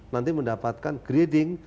nanti mendapatkan grading